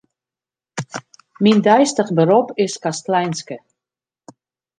Myn deistich berop is kastleinske.